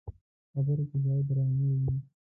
خبرو کې باید درناوی وي